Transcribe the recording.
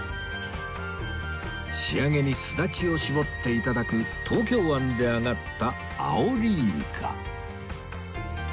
仕上げにすだちを搾って頂く東京湾で揚がったアオリイカ